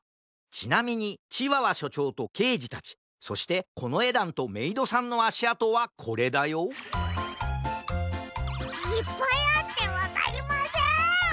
ちなみにチワワしょちょうとけいじたちそしてこのえだんとメイドさんのあしあとはこれだよいっぱいあってわかりません！